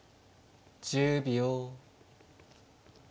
１０秒。